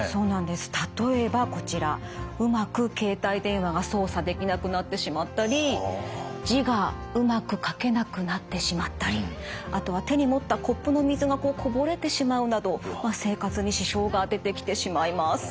例えばこちらうまく携帯電話が操作できなくなってしまったり字がうまく書けなくなってしまったりあとは手に持ったコップの水がこぼれてしまうなど生活に支障が出てきてしまいます。